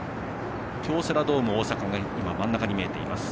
京セラドーム大阪が真ん中に見えています。